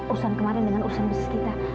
urusan kemarin dengan urusan bisnis kita